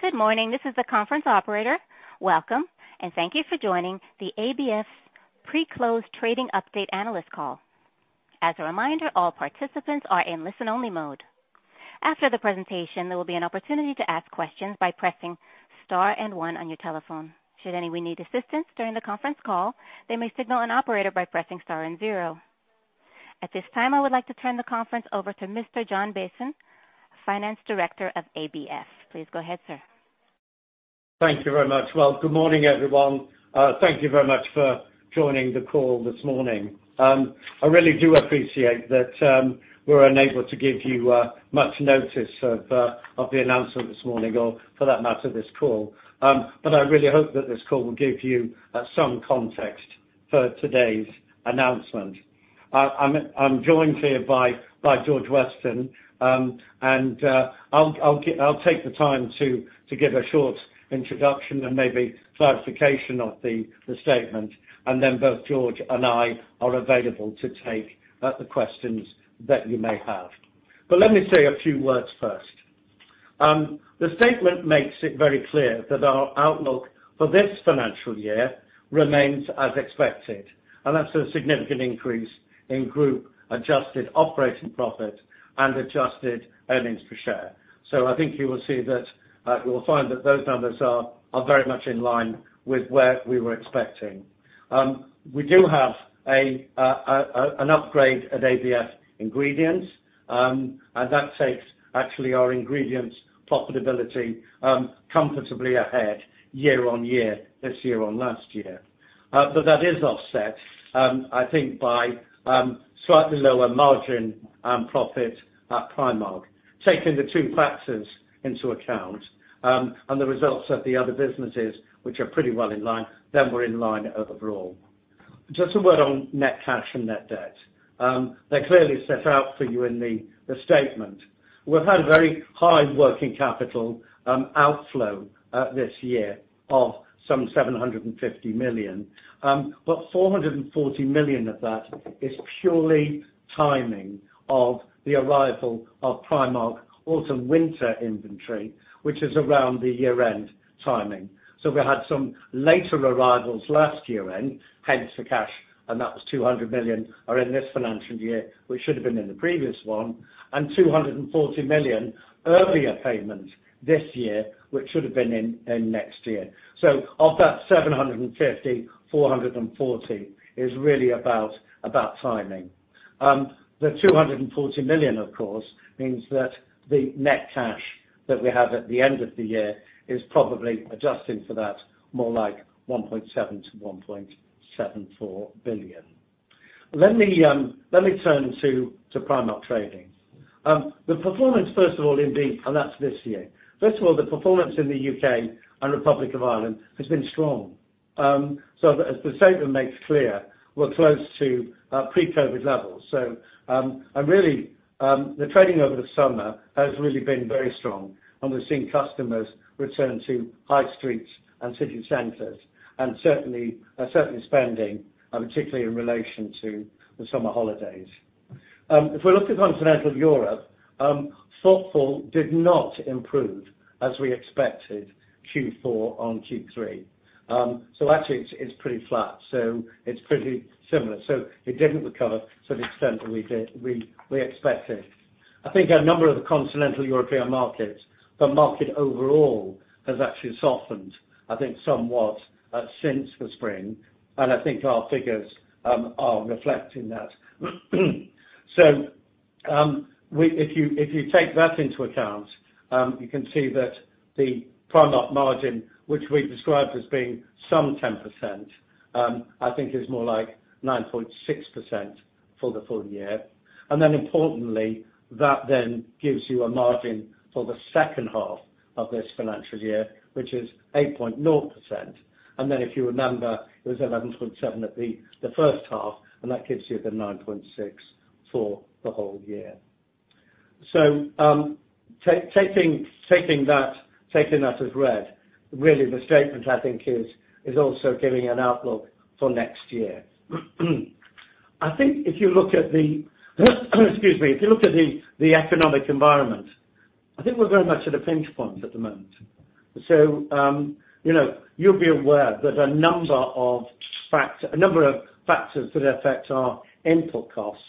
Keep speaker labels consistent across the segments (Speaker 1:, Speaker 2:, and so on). Speaker 1: Good morning, this is the conference operator. Welcome, and thank you for joining the ABF pre-close trading update analyst call. As a reminder, all participants are in listen-only mode. After the presentation, there will be an opportunity to ask questions by pressing star and one on your telephone. Should anyone need assistance during the conference call, they may signal an operator by pressing star and zero. At this time, I would like to turn the conference over to Mr. John Bason, Finance Director of ABF. Please go ahead, sir.
Speaker 2: Thank you very much. Well, good morning, everyone. Thank you very much for joining the call this morning. I really do appreciate that, we were unable to give you much notice of the announcement this morning or for that matter, this call. I really hope that this call will give you some context for today's announcement. I'm joined here by George Weston, and I'll take the time to give a short introduction and maybe clarification of the statement, and then both George and I are available to take the questions that you may have. Let me say a few words first. The statement makes it very clear that our outlook for this financial year remains as expected, and that's a significant increase in group adjusted operating profit and adjusted earnings per share. I think you will see that you will find that those numbers are very much in line with where we were expecting. We do have an upgrade at ABF Ingredients, and that takes actually our ingredients profitability comfortably ahead year on year, this year on last year. That is offset, I think by slightly lower margin profit at Primark. Taking the two factors into account and the results of the other businesses, which are pretty well in line, then we're in line overall. Just a word on net cash and net debt. They're clearly set out for you in the statement. We've had a very high working capital outflow this year of some 750 million. Four hundred and forty million of that is purely timing of the arrival of Primark autumn winter inventory, which is around the year-end timing. We had some later arrivals last year-end, hence the cash, and that was 200 million, are in this financial year, which should have been in the previous one, and 240 million earlier payments this year, which should have been in next year. Of that 750 million, 440 million is really about timing. The 240 million, of course, means that the net cash that we have at the end of the year is probably adjusting for that more like 1.7 billion-1.74 billion. Let me turn to Primark trading. The performance in the U.K. and Republic of Ireland has been strong. As the statement makes clear, we're close to pre-COVID levels. Really, the trading over the summer has really been very strong, and we're seeing customers return to high streets and city centers, and certainly spending, particularly in relation to the summer holidays. If we look at continental Europe, footfall did not improve as we expected Q4 on Q3. Actually it's pretty flat, so it's pretty similar. It didn't recover to the extent that we expected. I think a number of continental European markets, the market overall has actually softened, I think somewhat since the spring, and I think our figures are reflecting that. If you take that into account, you can see that the Primark margin, which we described as being some 10%, I think is more like 9.6% for the full year. Then importantly, that then gives you a margin for the second half of this financial year, which is 8.0%. Then if you remember, it was 11.7 at the first half, and that gives you the 9.6 for the whole year. Taking that as read, really the statement I think is also giving an outlook for next year. I think if you look at the economic environment, I think we're very much at a pinch point at the moment. You know, you'll be aware that a number of factors that affect our input costs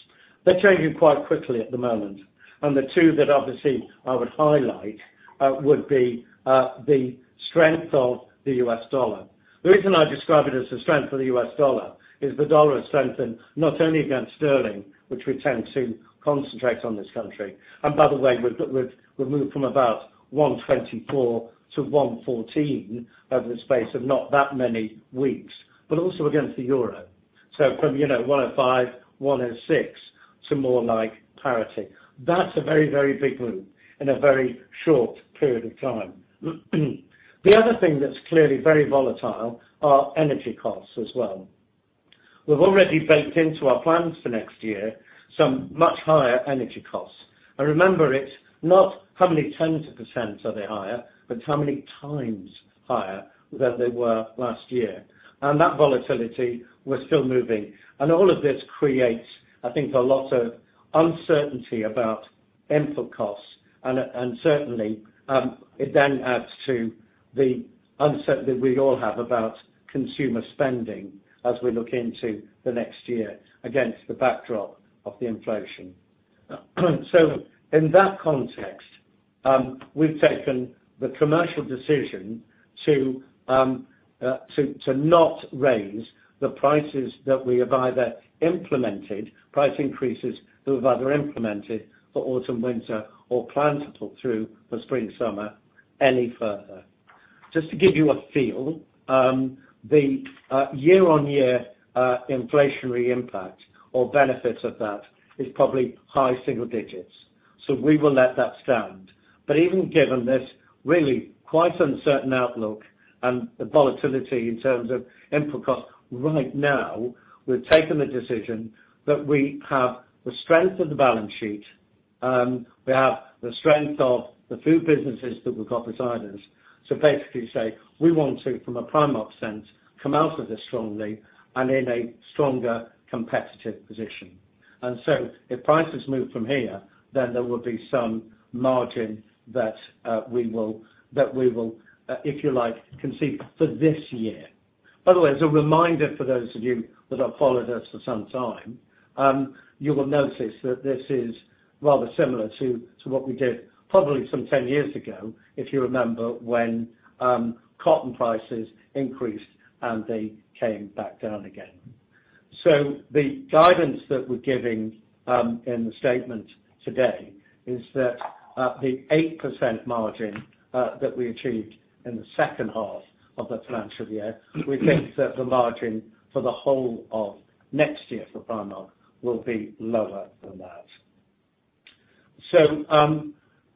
Speaker 2: are changing quite quickly at the moment. The two that obviously I would highlight would be the strength of the U.S. dollar. The reason I describe it as the strength of the U.S. dollar is the dollar has strengthened, not only against sterling, which we tend to concentrate on in this country, and by the way, we've moved from about 1.24 to 1.14 over the space of not that many weeks, but also against the euro. From, you know, 1.05-1.06 to more like parity. That's a very, very big move in a very short period of time. The other thing that's clearly very volatile are energy costs as well. We've already baked into our plans for next year some much higher energy costs. Remember, it's not how many tens of percent are they higher, but how many times higher than they were last year. That volatility was still moving. All of this creates, I think, a lot of uncertainty about input costs and certainly it then adds to the uncertainty we all have about consumer spending as we look into the next year against the backdrop of the inflation. In that context, we've taken the commercial decision to not raise price increases that we've either implemented for autumn, winter, or planned to put through for spring, summer any further. Just to give you a feel, the year-on-year inflationary impact or benefit of that is probably high single digits%. We will let that stand. Even given this really quite uncertain outlook and the volatility in terms of input cost right now, we've taken the decision that we have the strength of the balance sheet, we have the strength of the food businesses that we've got beside us to basically say, we want to, from a Primark sense, come out of this strongly and in a stronger competitive position. If prices move from here, then there will be some margin that we will, if you like, concede for this year. By the way, as a reminder for those of you that have followed us for some time, you will notice that this is rather similar to what we did probably some 10 years ago, if you remember when cotton prices increased and they came back down again. The guidance that we're giving in the statement today is that the 8% margin that we achieved in the second half of the financial year, we think that the margin for the whole of next year for Primark will be lower than that.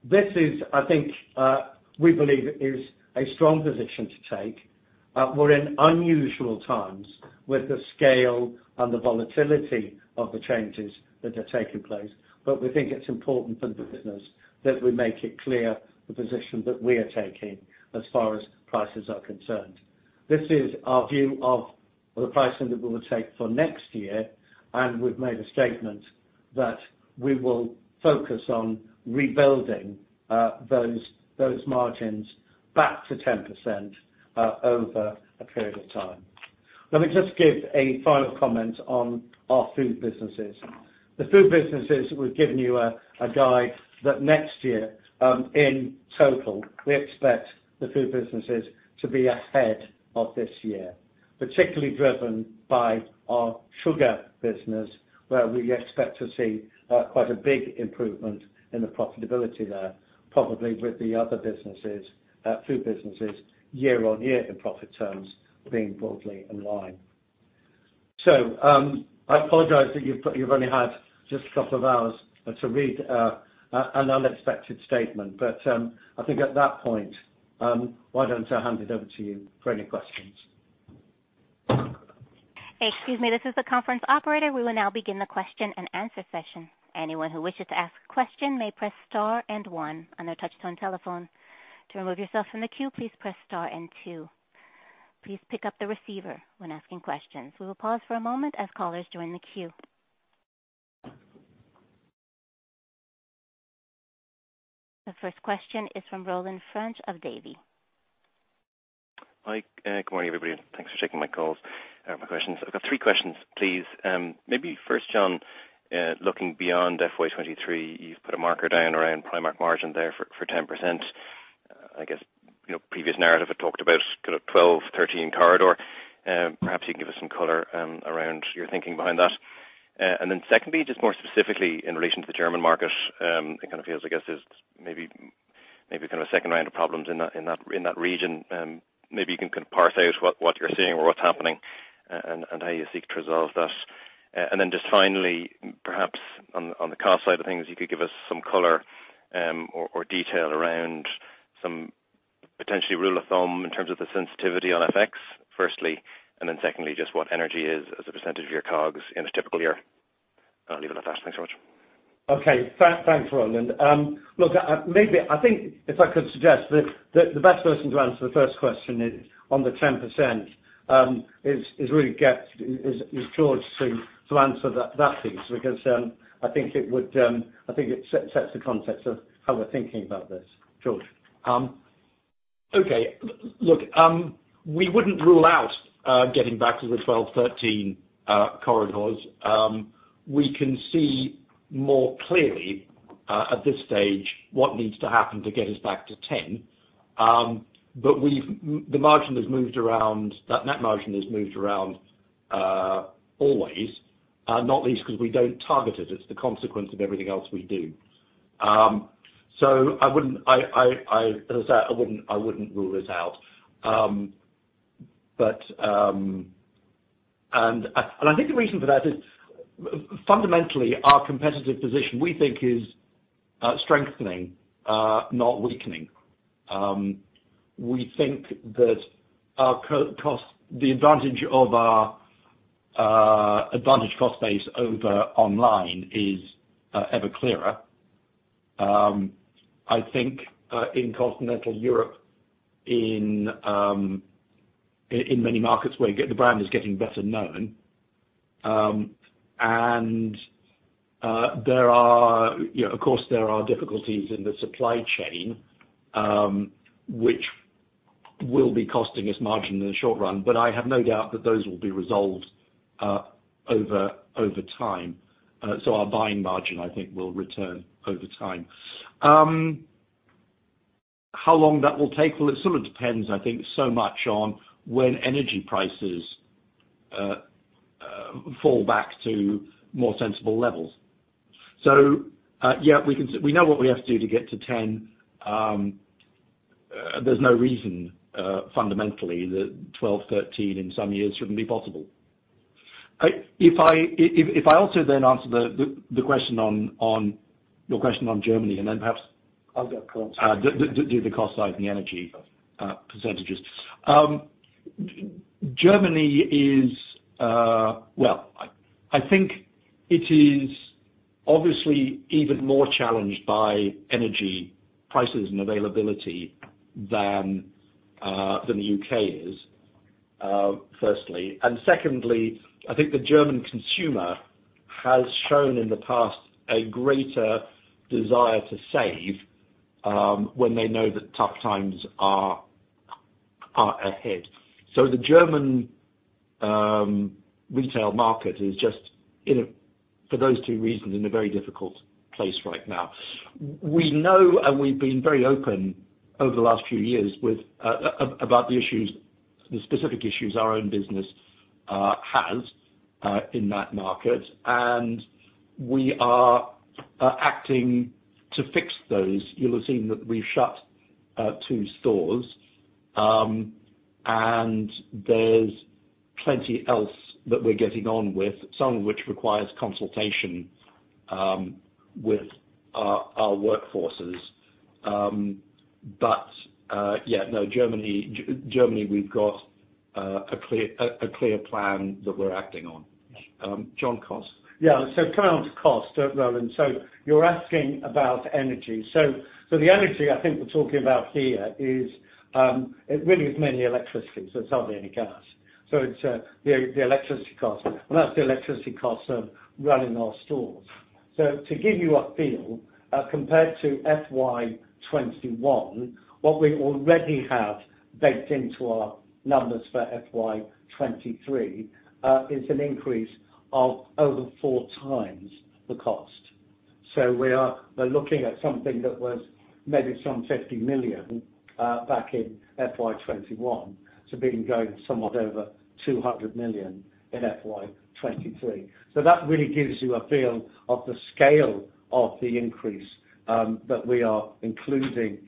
Speaker 2: This is, I think, we believe a strong position to take. We're in unusual times with the scale and the volatility of the changes that are taking place, but we think it's important for the business that we make it clear the position that we are taking as far as prices are concerned. This is our view of the pricing that we will take for next year, and we've made a statement that we will focus on rebuilding those margins back to 10% over a period of time. Let me just give a final comment on our food businesses. The food businesses, we've given you a guide that next year, in total, we expect the food businesses to be ahead of this year, particularly driven by our sugar business, where we expect to see quite a big improvement in the profitability there, probably with the other businesses, food businesses year-on-year in profit terms being broadly in line. I apologize that you've only had just a couple of hours to read an unexpected statement. I think at that point, why don't I hand it over to you for any questions?
Speaker 1: Excuse me, this is the conference operator. We will now begin the question-and-answer session. Anyone who wishes to ask a question may press star and one on their touchtone telephone. To remove yourself from the queue, please press star and two. Please pick up the receiver when asking questions. We will pause for a moment as callers join the queue. The first question is from Roland French of Davy.
Speaker 3: Hi. Good morning, everybody. Thanks for taking my calls, my questions. I've got three questions, please. Maybe first, John, looking beyond FY23, you've put a marker down around Primark margin there for 10%. I guess, you know, previous narrative had talked about sort of 12%-13% corridor. Perhaps you can give us some color around your thinking behind that. And then secondly, just more specifically in relation to the German market, it kind of feels, I guess, there's maybe kind of second round of problems in that region. Maybe you can kind of parse out what you're seeing or what's happening and how you seek to resolve that. Just finally, perhaps on the cost side of things, you could give us some color or detail around some potentially rule of thumb in terms of the sensitivity on FX, firstly, and then secondly, just what energy is as a percentage of your COGS in a typical year. I'll leave it at that. Thanks so much.
Speaker 2: Okay. Thanks, Roland. Look, maybe if I could suggest that the best person to answer the first question on the 10% is really George to answer that piece, because I think it sets the context of how we're thinking about this. George?
Speaker 4: Okay. Look, we wouldn't rule out getting back to the 12%-13% corridors. We can see more clearly at this stage what needs to happen to get us back to 10%. The margin has moved around. That net margin has moved around always, not least because we don't target it. It's the consequence of everything else we do. I wouldn't, as I said, rule this out. I think the reason for that is fundamentally our competitive position. We think it is strengthening, not weakening. We think that our costs, the advantage of our cost base over online is ever clearer. I think in continental Europe, in many markets where the brand is getting better known, and there are, you know, of course there are difficulties in the supply chain, which will be costing us margin in the short run, but I have no doubt that those will be resolved over time. Our buying margin I think will return over time. How long that will take? Well, it sort of depends, I think, so much on when energy prices fall back to more sensible levels. We know what we have to do to get to 10%. There's no reason fundamentally that 12%, 13% in some years shouldn't be possible. If I also then answer your question on Germany, and then perhaps.
Speaker 2: I'll get cost.
Speaker 4: Do the cost side and the energy percentages. Germany is, well, I think it is obviously even more challenged by energy prices and availability than the U.K. is, firstly. Secondly, I think the German consumer has shown in the past a greater desire to save when they know that tough times are ahead. The German retail market is just, for those two reasons, in a very difficult place right now. We know and we've been very open over the last few years with about the issues, the specific issues our own business has in that market, and we are acting to fix those. You'll have seen that we've shut two stores, and there's plenty else that we're getting on with, some of which requires consultation with our workforces. Germany, we've got a clear plan that we're acting on. John, costs.
Speaker 2: Yeah. Coming on to cost, Roland. You're asking about energy. The energy I think we're talking about here is it really is mainly electricity, so there's hardly any gas. It's the electricity cost, and that's the electricity cost of running our stores. To give you a feel, compared to FY 2021, what we already have baked into our numbers for FY 2023 is an increase of over 4x the cost. We're looking at something that was maybe some 50 million back in FY 2021 to being going somewhat over 200 million in FY 2023. That really gives you a feel of the scale of the increase that we are including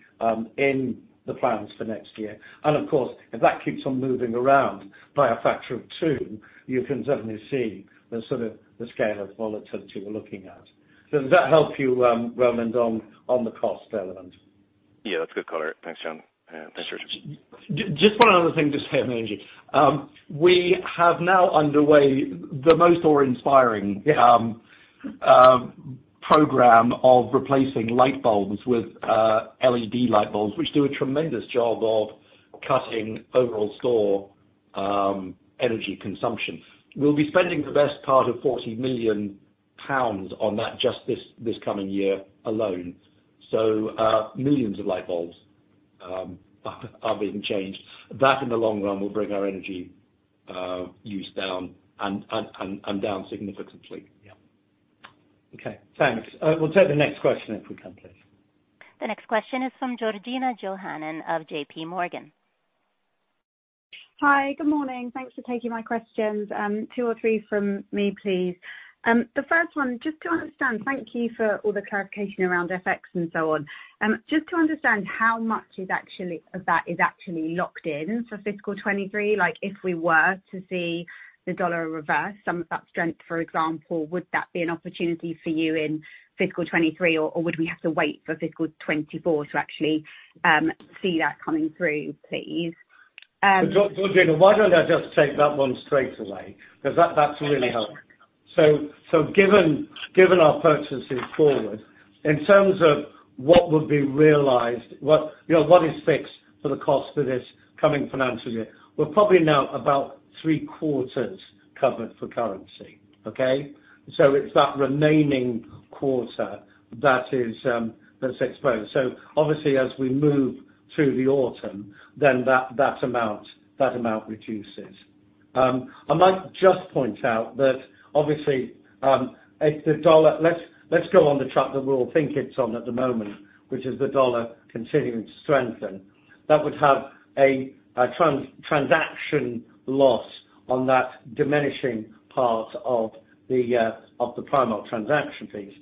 Speaker 2: in the plans for next year. Of course, if that keeps on moving around by a factor of two, you can certainly see the sort of the scale of volatility we're looking at. Does that help you, Roland, on the cost element?
Speaker 3: Yeah. That's a good color. Thanks, John. Thanks, George.
Speaker 4: Just one other thing to say on energy. We have now underway the most awe-inspiring program of replacing light bulbs with LED light bulbs, which do a tremendous job of cutting overall store energy consumption. We'll be spending the best part of 40 million pounds on that just this coming year alone. Millions of light bulbs are being changed. That in the long run will bring our energy use down and down significantly.
Speaker 2: Yeah. Okay. Thanks. We'll take the next question if we can, please.
Speaker 1: The next question is from Georgina Johanan of JPMorgan.
Speaker 5: Hi. Good morning. Thanks for taking my questions. Two or three from me, please. The first one, just to understand, thank you for all the clarification around FX and so on. Just to understand how much of that is actually locked in for fiscal 2023. Like, if we were to see the dollar reverse some of that strength, for example, would that be an opportunity for you in fiscal 2023, or would we have to wait for fiscal 2024 to actually see that coming through, please?
Speaker 2: Georgina, why don't I just take that one straight away 'cause that's really helpful. Given our purchases forward, in terms of what would be realized, you know, what is fixed for the cost of this coming financial year, we're probably now about three-quarters covered for currency. Okay? It's that remaining quarter that's exposed. Obviously as we move through the autumn, then that amount reduces. I might just point out that obviously, if the dollar. Let's go on the track that we all think it's on at the moment, which is the dollar continuing to strengthen. That would have a transaction loss on that diminishing part of the Primark transaction fees.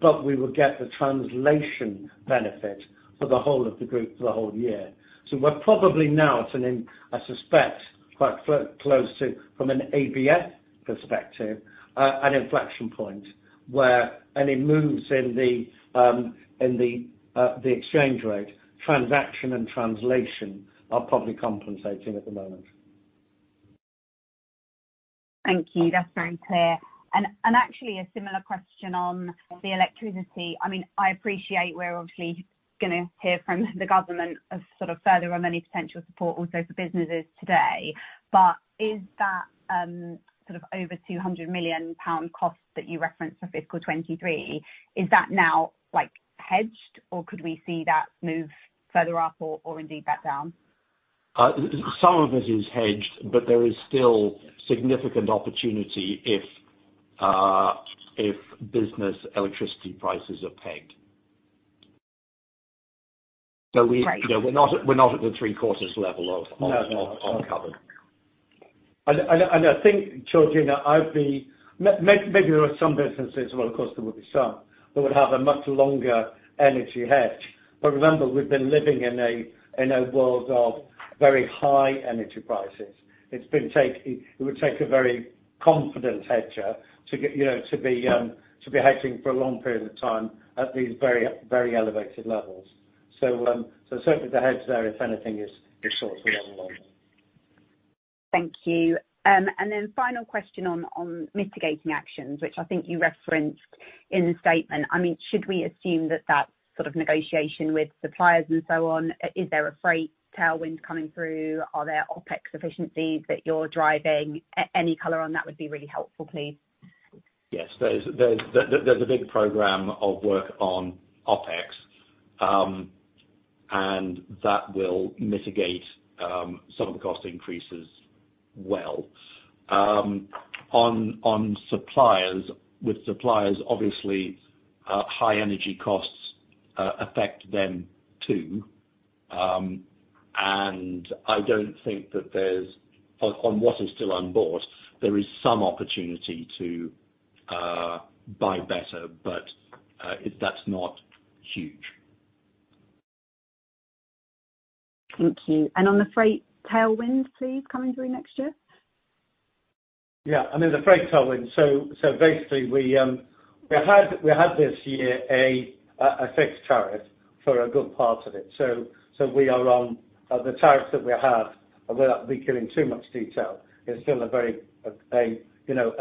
Speaker 2: But we would get the translation benefit for the whole of the group for the whole year. We're probably now, I suspect, quite close to, from an ABF perspective, an inflection point where any moves in the exchange rate, transaction and translation are probably compensating at the moment.
Speaker 5: Thank you. That's very clear. Actually a similar question on the electricity. I mean, I appreciate we're obviously gonna hear from the government of sort of further or many potential support also for businesses today. Is that sort of over 200 million pound cost that you referenced for fiscal 2023 now like hedged, or could we see that move further up or indeed back down?
Speaker 4: Some of it is hedged, but there is still significant opportunity if business electricity prices are pegged.
Speaker 5: Right
Speaker 4: You know, we're not at the three-quarters level of
Speaker 2: No, no
Speaker 4: On covered.
Speaker 2: I think, Georgina, maybe there are some businesses, well, of course, there would be some, that would have a much longer energy hedge. Remember, we've been living in a world of very high energy prices. It would take a very confident hedger to get, you know, to be hedging for a long period of time at these very, very elevated levels. Certainly the hedge there, if anything, is short to level on.
Speaker 5: Thank you. Final question on mitigating actions, which I think you referenced in the statement. I mean, should we assume that sort of negotiation with suppliers and so on, is there a freight tailwind coming through? Are there OpEx efficiencies that you're driving? Any color on that would be really helpful, please.
Speaker 4: Yes. There's a big program of work on OpEx, and that will mitigate some of the cost increases well. On suppliers with suppliers, obviously, high energy costs affect them too. On what is still on board, there is some opportunity to buy better, but that's not huge.
Speaker 5: Thank you. On the freight tailwind, please, coming through next year?
Speaker 2: Yeah. I mean, the freight tailwind. Basically, we had this year a fixed tariff for a good part of it. We are on the tariffs that we have, and without revealing too much detail, it's still a very, you know,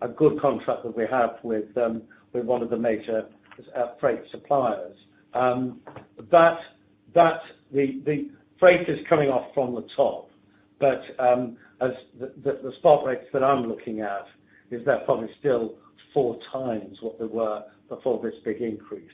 Speaker 2: a good contract that we have with one of the major freight suppliers. The freight is coming off from the top, but as the spot rates that I'm looking at, they're probably still four times what they were before this big increase.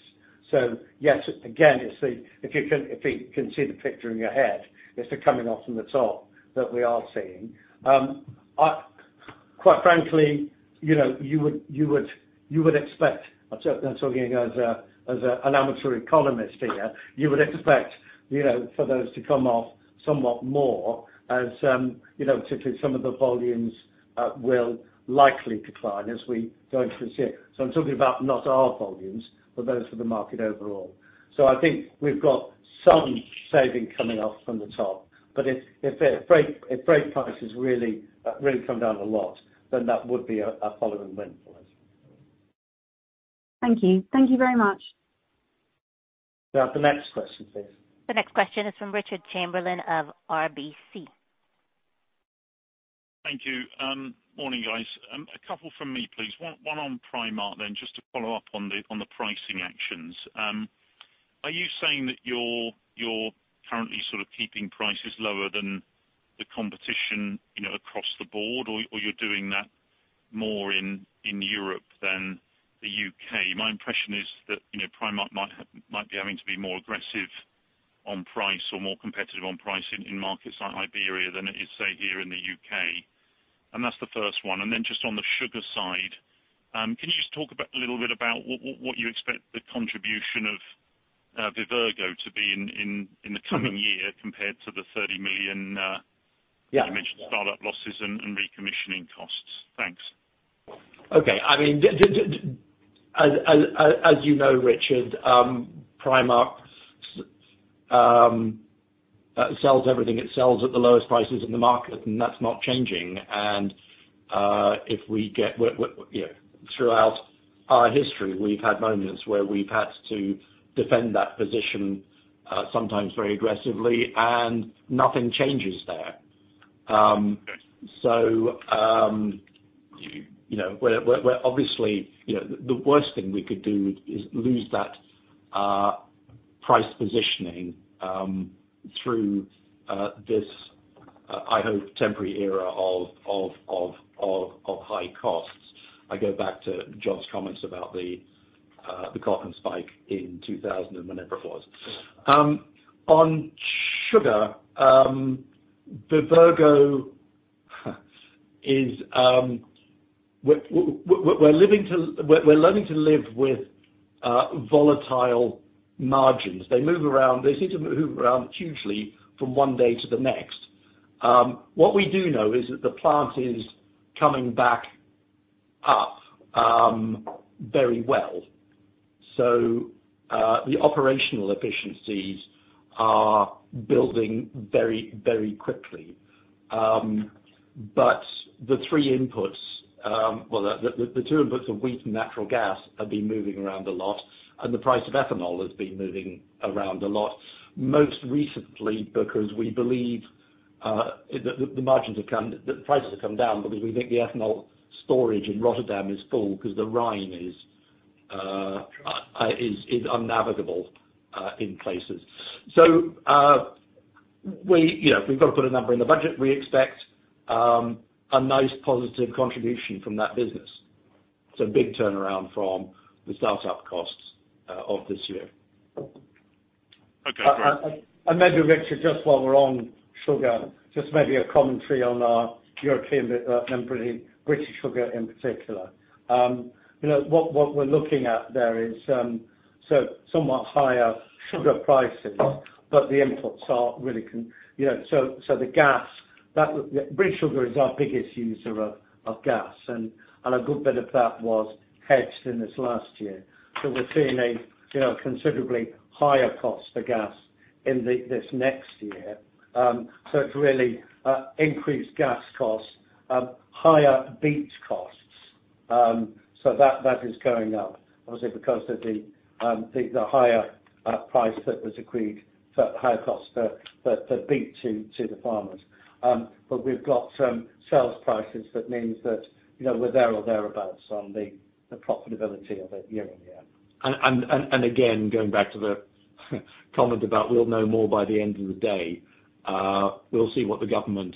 Speaker 2: Yes, again, it's the, if you can see the picture in your head, it's the coming off from the top that we are seeing. Quite frankly, you know, you would expect, I'm talking as an amateur economist here, you know, for those to come off somewhat more, you know, particularly some of the volumes will likely decline as we go into this year. I'm talking about not our volumes, but those for the market overall. I think we've got some saving coming off from the top. If freight prices really come down a lot, then that would be a following win for us.
Speaker 5: Thank you. Thank you very much.
Speaker 2: The next question, please.
Speaker 1: The next question is from Richard Chamberlain of RBC.
Speaker 6: Thank you. Morning, guys. A couple from me, please. One on Primark then, just to follow up on the pricing actions. Are you saying that you're currently sort of keeping prices lower than the competition, you know, across the board, or you're doing that more in Europe than the U.K.? My impression is that, you know, Primark might have, might be having to be more aggressive on price or more competitive on price in markets like Iberia than it is, say, here in the U.K. That's the first one. Then just on the sugar side, can you just talk about a little bit about what you expect the contribution of Vivergo to be in the coming year compared to GBP 30 million,
Speaker 4: Yeah
Speaker 6: You mentioned startup losses and recommissioning costs? Thanks.
Speaker 4: Okay. I mean, as you know, Richard, Primark sells everything it sells at the lowest prices in the market, and that's not changing. You know, throughout our history, we've had moments where we've had to defend that position, sometimes very aggressively, and nothing changes there. You know, we're obviously, you know, the worst thing we could do is lose that price positioning through this, I hope temporary era of high costs. I go back to John's comments about the cotton spike in 2000 and whenever it was. On sugar, Vivergo, we're learning to live with volatile margins. They move around, they seem to move around hugely from one day to the next. What we do know is that the plant is coming back up very well. The operational efficiencies are building very, very quickly. The three inputs, well, the two inputs of wheat and natural gas have been moving around a lot, and the price of ethanol has been moving around a lot. Most recently because we believe the prices have come down because we think the ethanol storage in Rotterdam is full because the Rhine is unnavigable in places. We, you know, we've got to put a number in the budget. We expect a nice positive contribution from that business. It's a big turnaround from the startup costs of this year.
Speaker 6: Okay, great.
Speaker 2: Maybe, Richard, just while we're on sugar, just maybe a commentary on our European and British Sugar in particular. You know, what we're looking at there is you know, so somewhat higher sugar prices, but the inputs are really you know, so the gas. British Sugar is our biggest user of gas, and a good bit of that was hedged in this last year. We're seeing you know, considerably higher cost for gas in this next year. It's really increased gas costs, higher beet costs. That is going up, obviously because of the higher price that was agreed for higher costs for beet to the farmers. We've got some sales prices that means that, you know, we're there or thereabouts on the profitability of it year on year.
Speaker 4: Again, going back to the comment about we'll know more by the end of the day, we'll see what the government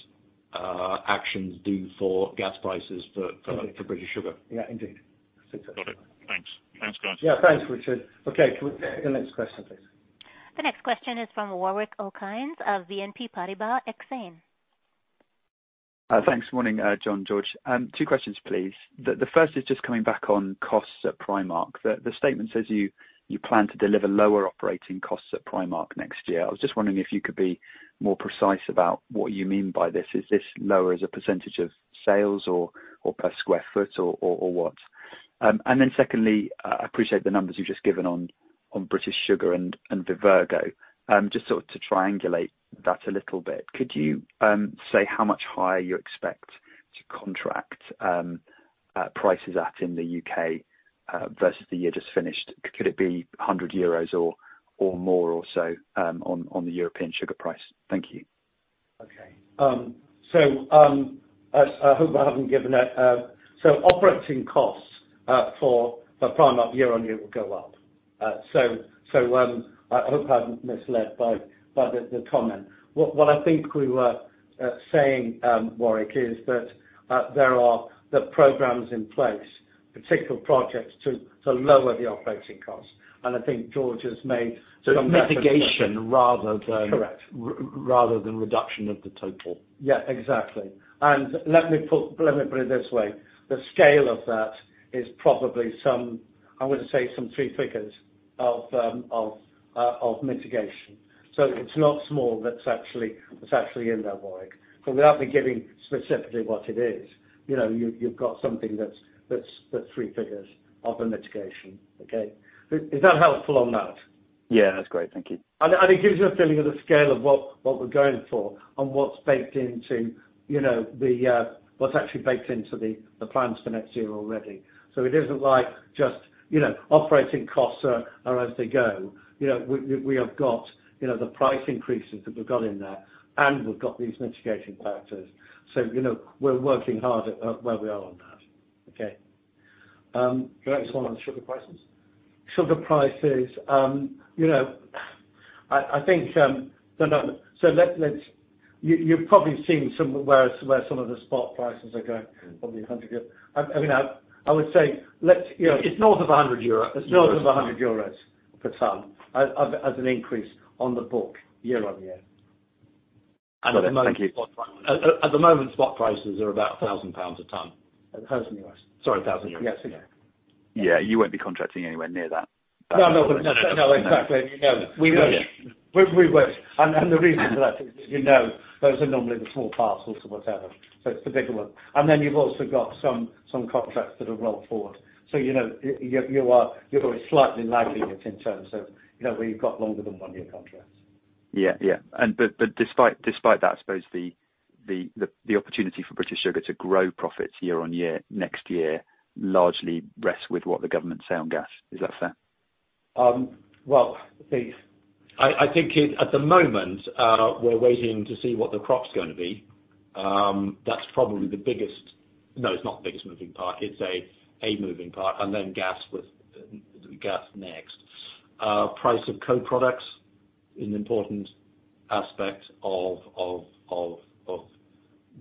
Speaker 4: actions do for gas prices for British Sugar.
Speaker 2: Yeah, indeed.
Speaker 4: Thanks.
Speaker 2: Got it. Thanks. Thanks, guys.
Speaker 4: Yeah, thanks, Richard. Okay, can we take the next question, please?
Speaker 1: The next question is from Warwick Okines of BNP Paribas Exane.
Speaker 7: Thanks. Morning, John, George. Two questions, please. The first is just coming back on costs at Primark. The statement says you plan to deliver lower operating costs at Primark next year. I was just wondering if you could be more precise about what you mean by this. Is this lower as a percentage of sales or per sq ft or what? Secondly, I appreciate the numbers you've just given on British Sugar and Vivergo. Just sort of to triangulate that a little bit, could you say how much higher you expect to contract prices at in the U.K. versus the year just finished? Could it be 100 euros or more or so on the European sugar price? Thank you.
Speaker 2: Okay. I hope I haven't given it. Operating costs for the Primark year on year will go up. I hope I haven't misled by the comment. What I think we were saying, Warwick, is that there are the programs in place, particular projects to lower the operating costs. I think George has made.
Speaker 4: Mitigation rather than.
Speaker 2: Correct.
Speaker 4: rather than reduction of the total.
Speaker 2: Yeah, exactly. Let me put it this way. The scale of that is probably some, I want to say some three figures of mitigation. It's not small. That's actually in there, Warwick. Without me giving specifically what it is, you know, you've got something that's three figures of a mitigation. Okay. Is that helpful on that?
Speaker 7: Yeah, that's great. Thank you.
Speaker 2: It gives you a feeling of the scale of what we're going for and what's baked into, you know, what's actually baked into the plans for next year already. It isn't like just, you know, operating costs are as they go. You know, we have got, you know, the price increases that we've got in there, and we've got these mitigating factors. You know, we're working hard at where we are on that. Okay.
Speaker 7: Can I ask one on the sugar prices?
Speaker 2: Sugar prices, you know, I think. You've probably seen some of where some of the spot prices are going on the 100-year. I mean, I would say let's, you know.
Speaker 4: It's north of 100 euros.
Speaker 2: It's north of 100 euros per ton as an increase on the book year-on-year.
Speaker 7: Thank you.
Speaker 4: At the moment, spot prices are about 1,000 pounds a ton.
Speaker 2: EUR 1,000.
Speaker 4: Sorry, 1,000 euros.
Speaker 2: Yes.
Speaker 7: Yeah. You won't be contracting anywhere near that.
Speaker 2: No. Exactly. We wish. The reason for that is, you know, those are normally the small parcels or whatever, so it's the bigger one. Then you've also got some contracts that have rolled forward. You know, you are slightly lagging it in terms of, you know, where you've got longer than one-year contracts.
Speaker 7: Yeah. Despite that, I suppose the opportunity for British Sugar to grow profits year on year next year largely rests with what the government say on gas. Is that fair?
Speaker 4: Well, I think it's at the moment, we're waiting to see what the crop's gonna be. It's not the biggest moving part. It's a moving part, and then gas next. Price of co-products is an important aspect of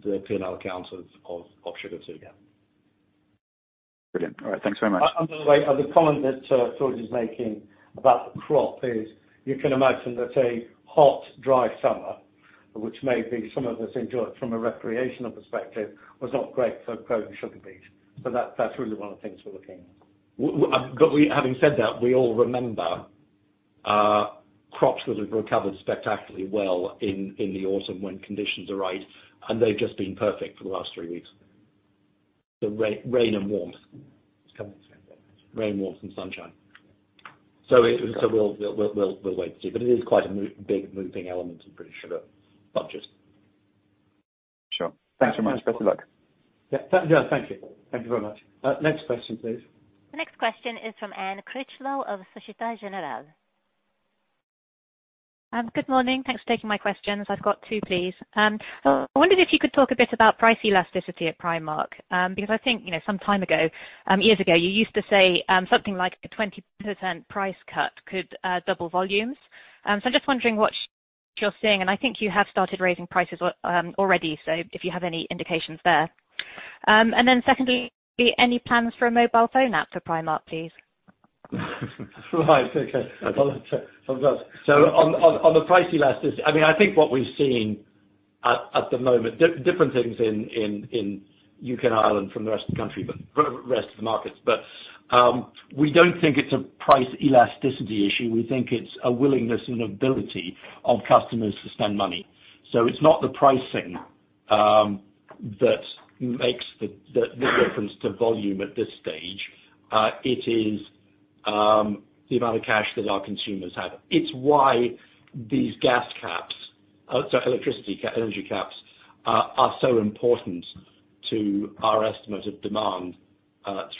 Speaker 4: the P&L accounts of Sugar to get.
Speaker 7: Brilliant. All right. Thanks very much.
Speaker 2: By the way, the comment that George is making about the crop is, you can imagine that a hot, dry summer, which maybe some of us enjoy it from a recreational perspective, was not great for growing sugar beet. That, that's really one of the things we're looking at.
Speaker 4: We, having said that, we all remember, crops that have recovered spectacularly well in the autumn when conditions are right, and they've just been perfect for the last three weeks. The rain and warmth. Rain, warmth and sunshine. We'll wait to see. It is quite a big moving element in British Sugar budgets. Sure. Thanks very much. Best of luck.
Speaker 2: Yeah. Thank you. Thank you very much. Next question, please.
Speaker 1: The next question is from Anne Critchlow of Société Générale.
Speaker 8: Good morning. Thanks for taking my questions. I've got two, please. I wondered if you could talk a bit about price elasticity at Primark, because I think, you know, some time ago, years ago, you used to say something like a 20% price cut could double volumes. I'm just wondering what you're seeing, and I think you have started raising prices already. If you have any indications there. Secondly, any plans for a mobile phone app for Primark, please?
Speaker 2: On the price elasticity, I mean, I think what we've seen at the moment, different things in U.K. and Ireland from the rest of the markets. We don't think it's a price elasticity issue. We think it's a willingness and ability of customers to spend money. It's not the pricing that makes the difference to volume at this stage. It is the amount of cash that our consumers have. It's why these electricity energy caps are so important to our estimate of demand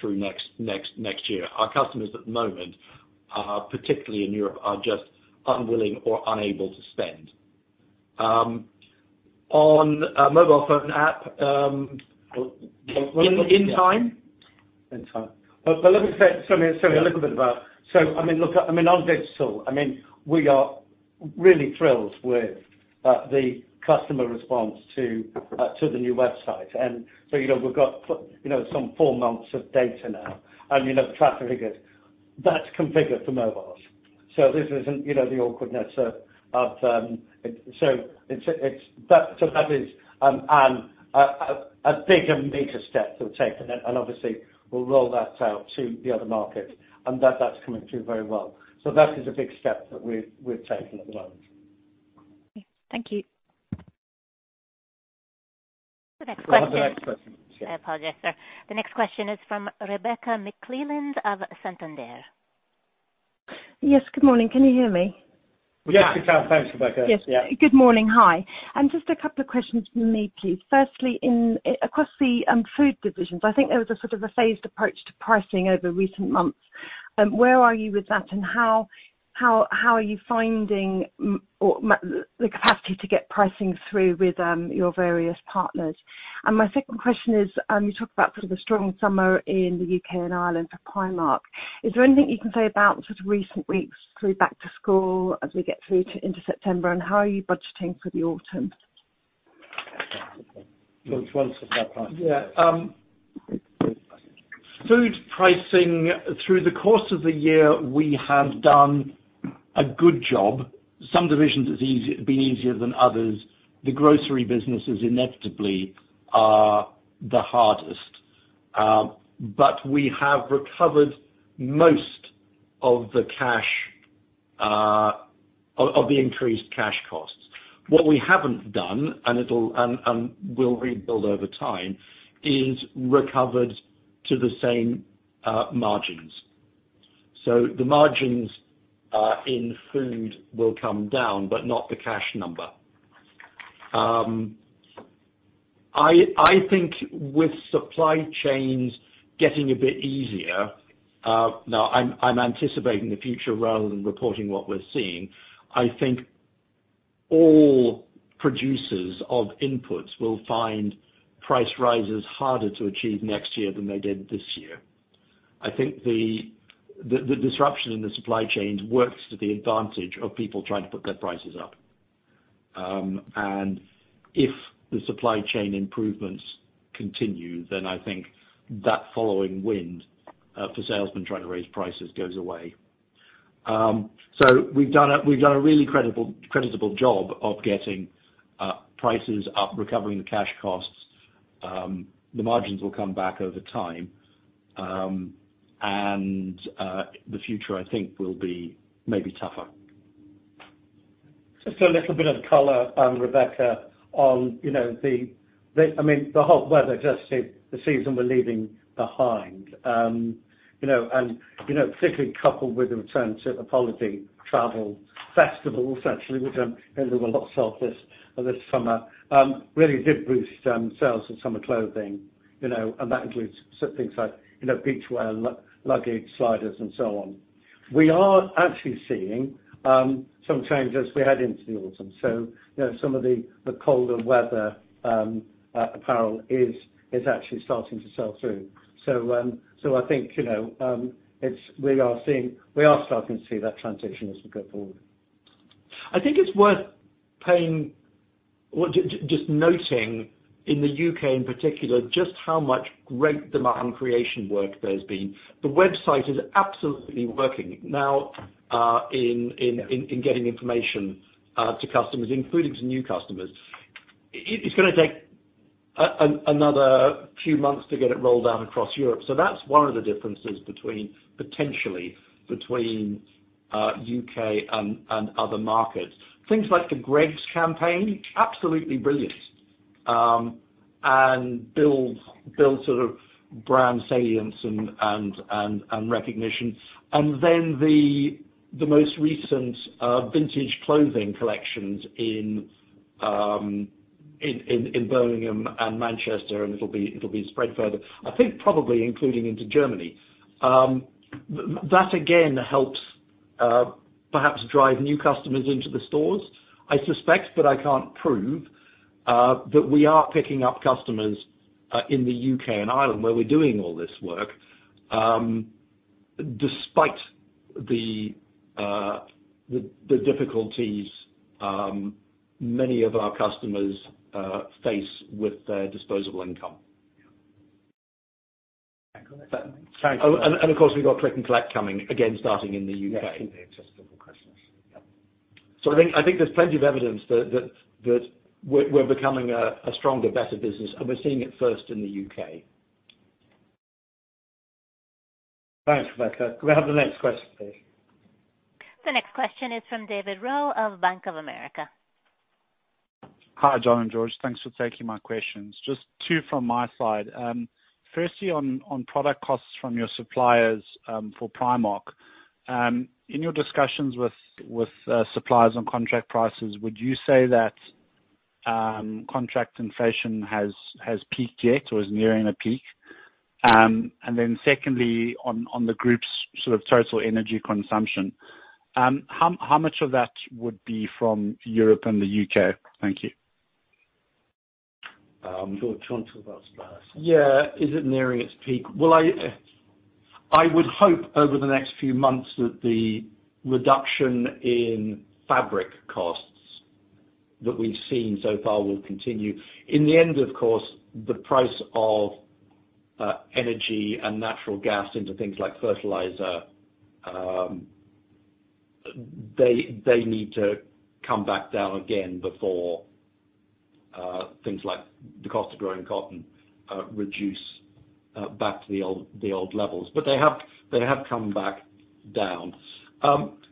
Speaker 2: through next year. Our customers at the moment, particularly in Europe, are just unwilling or unable to spend on a mobile phone app in time?
Speaker 4: In time.
Speaker 2: Let me say something a little bit about. I mean, look, I mean, on digital, I mean, we are really thrilled with the customer response to the new website. You know, we've got you know some four months of data now and you know traffic figures. That's configured for mobiles. This isn't you know the awkwardness of. That is, Anne, a big and major step we've taken. Obviously we'll roll that out to the other markets, and that's coming through very well. That is a big step that we've taken at the moment.
Speaker 8: Thank you.
Speaker 1: The next question.
Speaker 2: The next question.
Speaker 1: I apologize, sir. The next question is from Rebecca McClellan of Santander.
Speaker 9: Yes. Good morning. Can you hear me?
Speaker 2: Yeah. Thanks, Rebecca.
Speaker 9: Yes. Good morning. Hi. Just a couple of questions from me, please. Firstly, across the food divisions, I think there was a sort of a phased approach to pricing over recent months. Where are you with that, and how are you finding the capacity to get pricing through with your various partners? My second question is, you talk about sort of a strong summer in the U.K. and Ireland for Primark. Is there anything you can say about sort of recent weeks through back to school as we get into September, and how are you budgeting for the autumn?
Speaker 2: Which ones?
Speaker 4: Yeah, food pricing through the course of the year, we have done a good job. Some divisions have been easier than others. The grocery businesses inevitably are the hardest. But we have recovered most of the cash of the increased cash costs. What we haven't done, and it will rebuild over time, is recovered to the same margins. The margins in food will come down, but not the cash number. I think with supply chains getting a bit easier, now I'm anticipating the future rather than reporting what we're seeing. I think all producers of inputs will find price rises harder to achieve next year than they did this year. I think the disruption in the supply chains works to the advantage of people trying to put their prices up. If the supply chain improvements continue, then I think that following wind for salesmen trying to raise prices goes away. We've done a really creditable job of getting prices up, recovering the cash costs. The margins will come back over time. The future, I think, will be maybe tougher.
Speaker 2: Just a little bit of color, Rebecca, on you know I mean the hot weather just the season we're leaving behind you know and you know particularly coupled with the return to holiday travel festivals actually which you know there were lots of this summer really did boost sales of summer clothing you know and that includes things like you know beach wear luggage sliders and so on. We are actually seeing some changes we had into the autumn. You know some of the colder weather apparel is actually starting to sell through. I think you know we are starting to see that transition as we go forward.
Speaker 4: I think it's worth just noting in the U.K. in particular, just how much great demand creation work there's been. The website is absolutely working now in getting information to customers, including to new customers. It's gonna take another few months to get it rolled out across Europe. That's one of the differences between potentially between U.K. and other markets. Things like the Greggs campaign, absolutely brilliant. Build sort of brand salience and recognition. The most recent vintage clothing collections in Birmingham and Manchester, and it'll be spread further. I think probably including into Germany. That again helps perhaps drive new customers into the stores. I suspect, but I can't prove, that we are picking up customers in the U.K. and Ireland where we're doing all this work, despite the difficulties many of our customers face with their disposable income.
Speaker 2: Thank you.
Speaker 4: Of course, we've got click and collect coming, again, starting in the U.K.
Speaker 2: Yes, should be accessible for customers. Yep.
Speaker 4: I think there's plenty of evidence that we're becoming a stronger, better business, and we're seeing it first in the U.K.
Speaker 2: Thanks, Rebecca. Could we have the next question, please?
Speaker 1: The next question is from David Roe of Bank of America.
Speaker 10: Hi, John and George. Thanks for taking my questions. Just two from my side. Firstly, on product costs from your suppliers for Primark. In your discussions with suppliers on contract prices, would you say that contract inflation has peaked yet or is nearing a peak? Secondly, on the group's sort of total energy consumption, how much of that would be from Europe and the U.K.? Thank you.
Speaker 2: George, do you want to talk about suppliers?
Speaker 4: Yeah. Is it nearing its peak? Well, I would hope over the next few months that the reduction in fabric costs that we've seen so far will continue. In the end, of course, the price of energy and natural gas into things like fertilizer, they need to come back down again before things like the cost of growing cotton reduce back to the old levels. But they have come back down.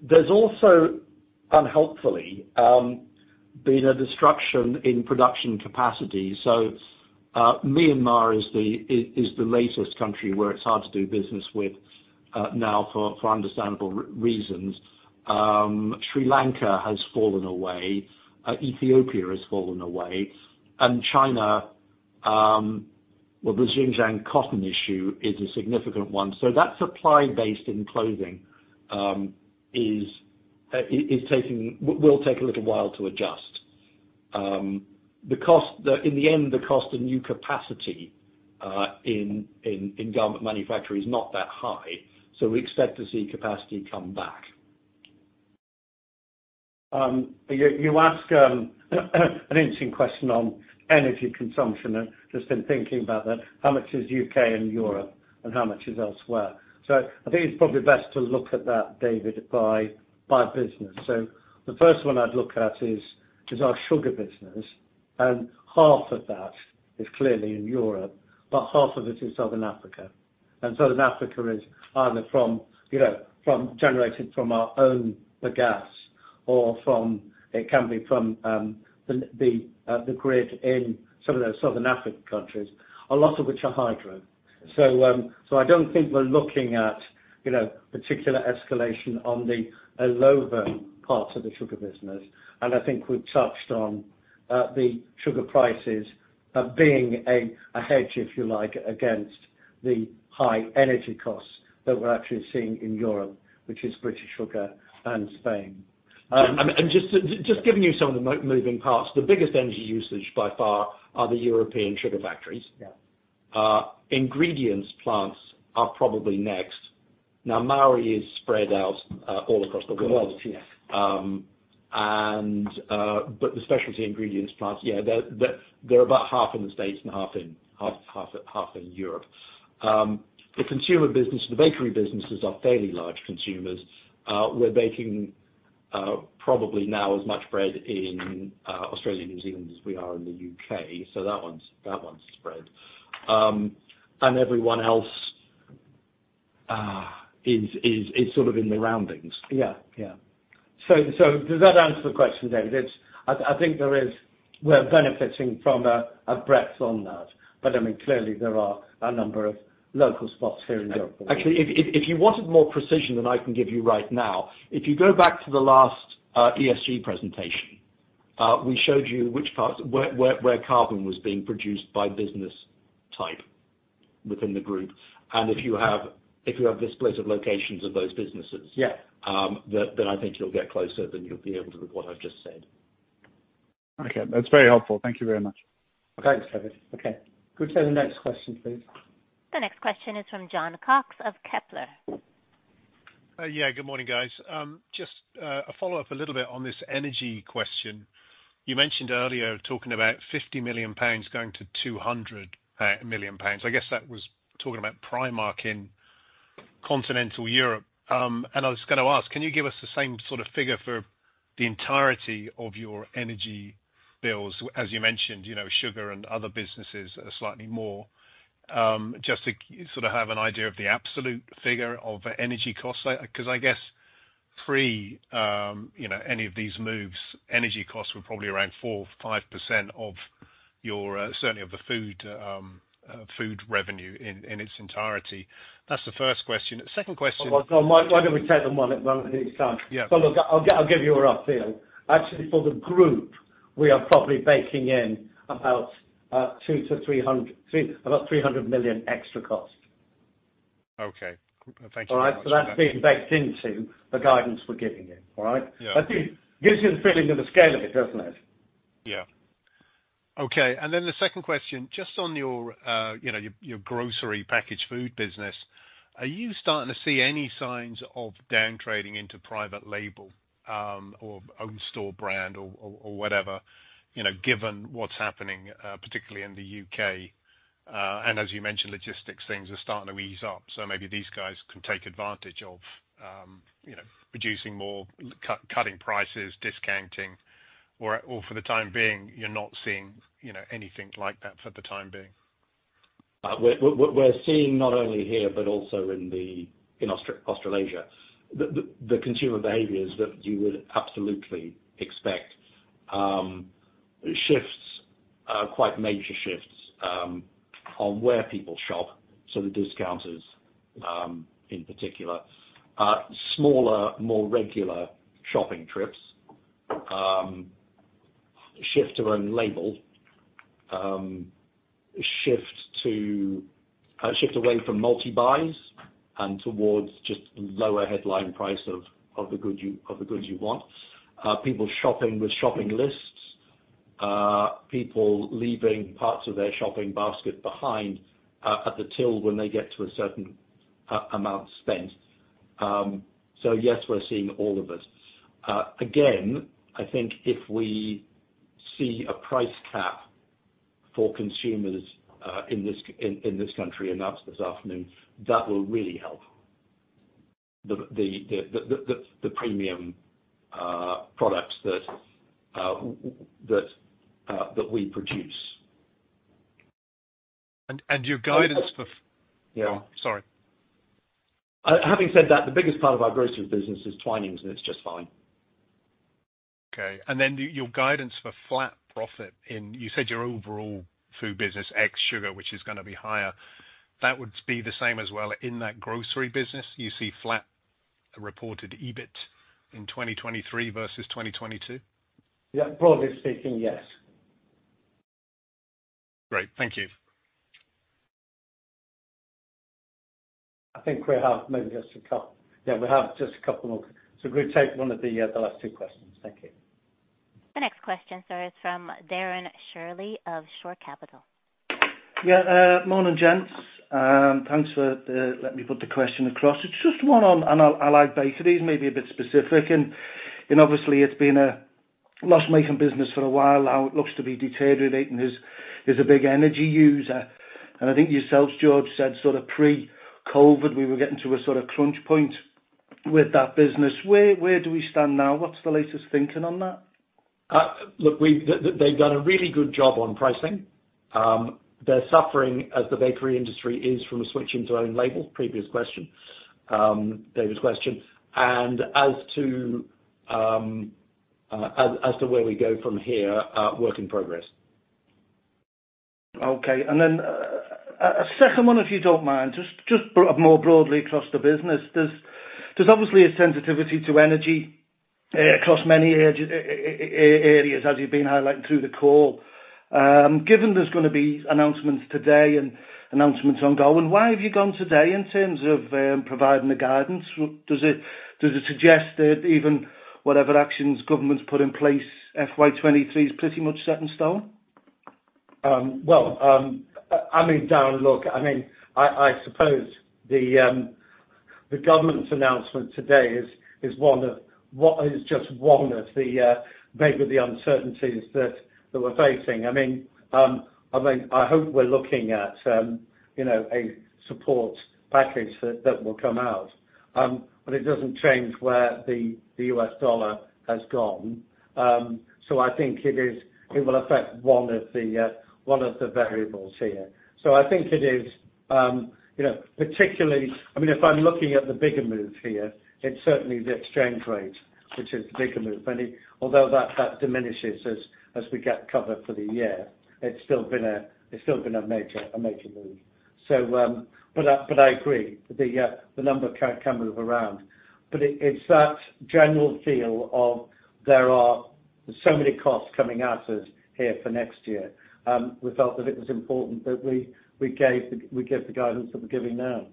Speaker 4: There's also unhelpfully been a disruption in production capacity. So, Myanmar is the latest country where it's hard to do business with now for understandable reasons. Sri Lanka has fallen away, Ethiopia has fallen away, and China, well, the Xinjiang cotton issue is a significant one. That supply base in clothing will take a little while to adjust. In the end, the cost of new capacity in garment manufacturing is not that high, so we expect to see capacity come back.
Speaker 2: You ask an interesting question on energy consumption. I've just been thinking about that. How much is U.K. and Europe and how much is elsewhere? I think it's probably best to look at that, David, by business. The first one I'd look at is our sugar business, and half of that is clearly in Europe, but half of it is Southern Africa. Southern Africa is either from, you know, generated from our own gas or from, it can be from the grid in some of the Southern African countries, a lot of which are hydro. I don't think we're looking at, you know, particular escalation on the Illovo parts of the sugar business.I think we've touched on the sugar prices being a hedge, if you like, against the high energy costs that we're actually seeing in Europe, which is British Sugar and Spain.
Speaker 4: Just giving you some of the moving parts, the biggest energy usage by far are the European sugar factories.
Speaker 2: Yeah.
Speaker 4: Ingredients plants are probably next. Now, AB Mauri is spread out all across the world.
Speaker 2: The world, yes.
Speaker 4: The specialty ingredients plants, yeah, they're about half in the States and half in Europe. The consumer business, the bakery businesses are fairly large consumers. We're baking probably now as much bread in Australia and New Zealand as we are in the U.K., that one's spread. Everyone else is sort of in the surroundings.
Speaker 2: Yeah. Does that answer the question, David? I think there is. We're benefiting from a breadth on that. I mean, clearly there are a number of local spots here in Europe.
Speaker 4: Actually, if you wanted more precision than I can give you right now, if you go back to the last ESG presentation, we showed you which parts, where carbon was being produced by business type within the group. If you have the split of locations of those businesses.
Speaker 2: Yeah
Speaker 4: I think you'll get closer than you'll be able to with what I've just said.
Speaker 10: Okay. That's very helpful. Thank you very much.
Speaker 2: Okay, David. Okay. Could we have the next question, please?
Speaker 1: The next question is from Jon Cox of Kepler.
Speaker 11: Yeah, good morning, guys. Just a follow-up a little bit on this energy question. You mentioned earlier talking about 50 million pounds going to 200 million pounds. I guess that was talking about Primark in continental Europe. And I was gonna ask, can you give us the same sort of figure for the entirety of your energy bills, as you mentioned, you know, sugar and other businesses are slightly more, just to sort of have an idea of the absolute figure of energy costs. 'Cause I guess, you know, any of these moves, energy costs were probably around 4% or 5% of your certainly of the food revenue in its entirety. That's the first question. The second question-
Speaker 2: Well, look, why don't we take them one at a time?
Speaker 11: Yeah.
Speaker 2: Look, I'll give you a rough feel. Actually, for the group, we are probably baking in about 300 million extra costs.
Speaker 11: Okay. Thank you very much.
Speaker 2: All right? That's being baked into the guidance we're giving you. All right?
Speaker 11: Yeah.
Speaker 2: It gives you the feeling of the scale of it, doesn't it?
Speaker 11: Yeah. Okay. Then the second question, just on your, you know, your grocery packaged food business, are you starting to see any signs of down trading into private label, or own store brand or whatever, you know, given what's happening, particularly in the U.K.? As you mentioned, logistics, things are starting to ease up, so maybe these guys can take advantage of, you know, producing more, cutting prices, discounting, or for the time being, you're not seeing, you know, anything like that for the time being.
Speaker 4: We're seeing not only here but also in Australasia the consumer behaviors that you would absolutely expect. Shifts, quite major shifts, on where people shop, so the discounters, in particular. Smaller, more regular shopping trips. Shift to own label. Shift away from multi-buys and towards just lower headline price of the goods you want. People shopping with shopping lists. People leaving parts of their shopping basket behind at the till when they get to a certain amount spent. Yes, we're seeing all of this. Again, I think if we see a price cap for consumers in this country announced this afternoon, that will really help the premium products that we produce.
Speaker 11: Your guidance for-
Speaker 4: Yeah.
Speaker 11: Sorry.
Speaker 4: Having said that, the biggest part of our grocery business is Twinings, and it's just fine.
Speaker 11: Okay. Your guidance for flat profit in, you said your overall food business, ex sugar, which is gonna be higher, that would be the same as well in that grocery business, you see flat reported EBIT in 2023 versus 2022?
Speaker 2: Yeah. Broadly speaking, yes.
Speaker 11: Great. Thank you.
Speaker 2: I think we have maybe just a couple. Yeah, we have just a couple more. We'll take one of the last two questions. Thank you.
Speaker 1: The next question, sir, is from Darren Shirley of Shore Capital.
Speaker 12: Yeah. Morning, gents. Thanks for letting me put the question across. It's just one on Allied Bakeries, maybe a bit specific. Obviously it's been a loss-making business for a while now. It looks to be deteriorating. It's a big energy user. I think George said sort of pre-COVID we were getting to a sort of crunch point with that business. Where do we stand now? What's the latest thinking on that?
Speaker 4: Look, they've done a really good job on pricing. They're suffering as the bakery industry is from a switch into own labels. Previous question, David's question. As to where we go from here, work in progress.
Speaker 12: Okay. A second one, if you don't mind, just more broadly across the business. There's obviously a sensitivity to energy across many areas as you've been highlighting through the call. Given there's gonna be announcements today and announcements ongoing, why have you gone today in terms of providing the guidance? Does it suggest that even whatever actions government's put in place, FY 2023 is pretty much set in stone?
Speaker 2: Well, I mean, Darren, look, I mean, I suppose the government's announcement today is just one of the uncertainties that we're facing. I mean, I hope we're looking at, you know, a support package that will come out. It doesn't change where the U.S. dollar has gone. I think it will affect one of the variables here. I think it is, you know, particularly, I mean, if I'm looking at the bigger move here, it's certainly the exchange rate, which is the bigger move. Although that diminishes as we get cover for the year, it's still been a major move.I agree that the number can move around. It's that general feel that there are so many costs coming at us here for next year. We felt that it was important that we gave the guidance that we're giving now.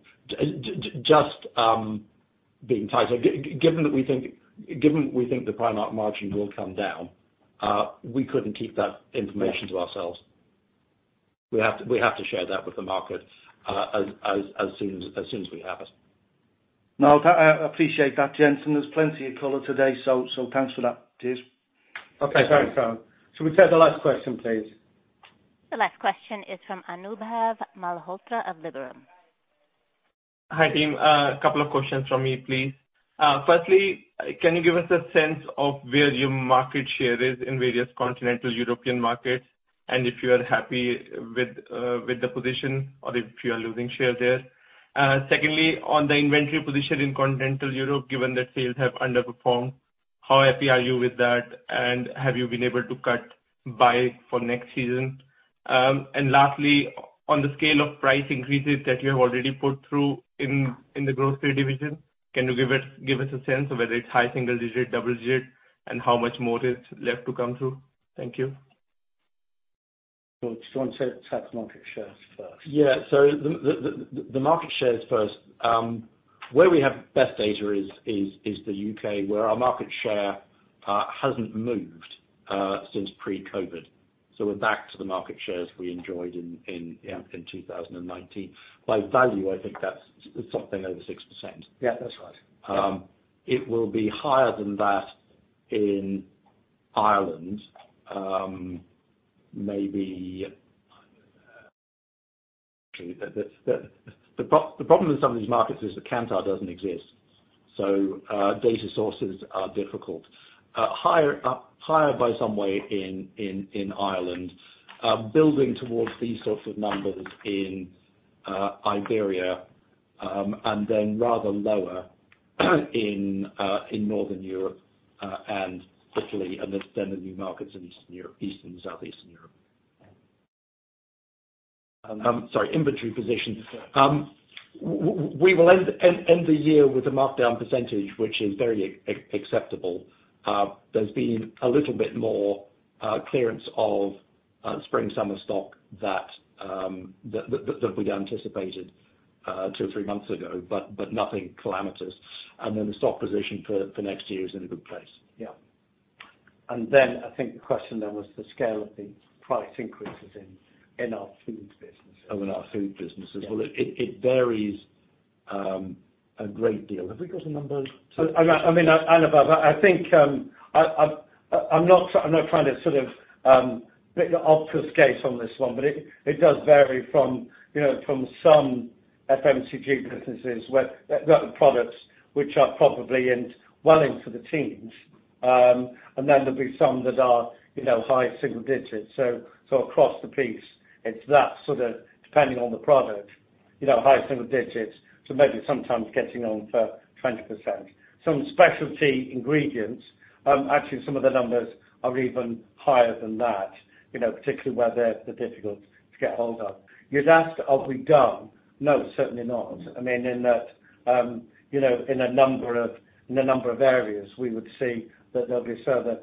Speaker 4: Just being tight. Given that we think the Primark margin will come down, we couldn't keep that information to ourselves. We have to share that with the market, as soon as we have it.
Speaker 12: No, I appreciate that, gents, and there's plenty of color today, so thanks for that. Cheers.
Speaker 2: Okay, thanks, Darren. Shall we take the last question, please?
Speaker 1: The last question is from Anubhav Malhotra of Liberum.
Speaker 13: Hi, team. A couple of questions from me, please. Firstly, can you give us a sense of where your market share is in various continental European markets? If you are happy with the position or if you are losing shares there. Secondly, on the inventory position in Continental Europe, given that sales have underperformed, how happy are you with that, and have you been able to cut back for next season? Lastly, on the scale of price increases that you have already put through in the Grocery division, can you give us a sense of whether it's high single digit, double digit, and how much more is left to come through? Thank you.
Speaker 2: George, do you wanna take the market shares first?
Speaker 4: The market shares first. Where we have best data is the U.K. where our market share hasn't moved since pre-COVID. We're back to the market shares we enjoyed in, you know, 2019. By value, I think that's something over 6%.
Speaker 2: Yeah, that's right.
Speaker 4: It will be higher than that in Ireland. The problem with some of these markets is that Kantar doesn't exist. Data sources are difficult. Higher by some way in Ireland, building towards these sorts of numbers in Iberia, and then rather lower in Northern Europe, and Italy and then the new markets in Eastern and Southern Europe. Sorry, inventory positions. We will end the year with a markdown percentage, which is very acceptable. There's been a little bit more clearance of spring/summer stock that we'd anticipated two or three months ago, but nothing calamitous. The stock position for next year is in a good place.
Speaker 2: Yeah. I think the question then was the scale of the price increases in our Foods business.
Speaker 4: Oh, in our Food business as well. It varies a great deal. Have we got a number?
Speaker 2: I mean, above that, I think, I'm not trying to sort of a bit obfuscate on this one, but it does vary from, you know, from some FMCG businesses where the products which are probably well into the teens. Then there'll be some that are, you know, high single digits. Across the piece, it's that sort of depending on the product, you know, high single digits to maybe sometimes getting on for 20%. Some specialty ingredients, actually some of the numbers are even higher than that, you know, particularly where they're difficult to get a hold of. You'd asked, are we done? No, certainly not. I mean, in that, you know, in a number of areas, we would see that there'll be further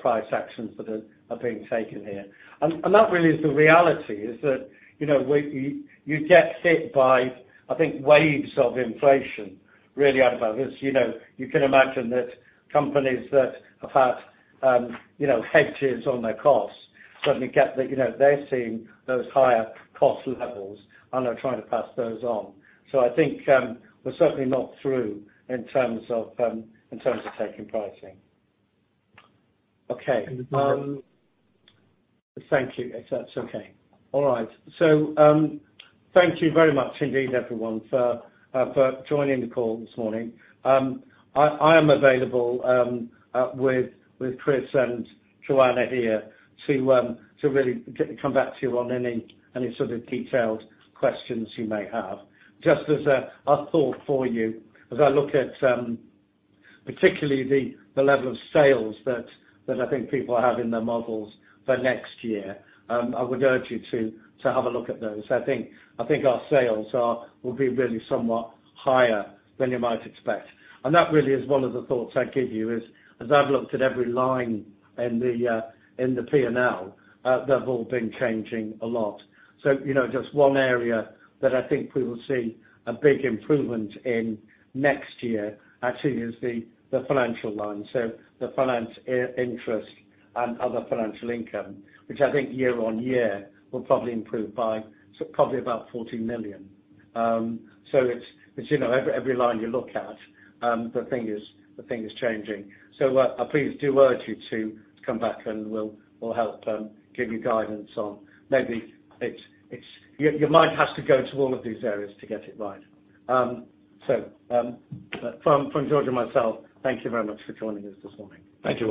Speaker 2: price actions that are being taken here. That really is the reality is that, you know, you get hit by, I think, waves of inflation really out of this. You know, you can imagine that companies that have had, you know, hedges on their costs, certainly get to, you know, they're seeing those higher cost levels, and they're trying to pass those on. I think, we're certainly not through in terms of taking pricing. Okay. Thank you. If that's okay. All right. Thank you very much indeed, everyone, for joining the call this morning. I am available with Chris and Joana here to really get to come back to you on any sort of detailed questions you may have. Just as a thought for you, as I look at particularly the level of sales that I think people have in their models for next year, I would urge you to have a look at those. I think our sales will be really somewhat higher than you might expect. That really is one of the thoughts I give you is, as I've looked at every line in the P&L, they've all been changing a lot. You know, just one area that I think we will see a big improvement in next year actually is the financial line. The finance, interest and other financial income, which I think year-over-year will probably improve by, so probably about 14 million. It's you know every line you look at, the thing is changing. Please do urge you to come back and we'll help give you guidance on maybe it's. Your mind has to go to all of these areas to get it right. From George and myself, thank you very much for joining us this morning.
Speaker 4: Thank you.